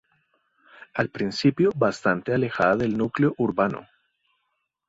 Al principio, bastante alejada del núcleo urbano.